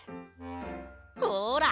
ほら！